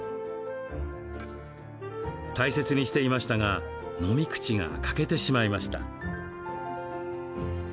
大切にしていましたが飲み口が欠けてしまいました。